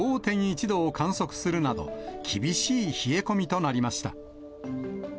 ５．１度を観測するなど、厳しい冷え込みとなりました。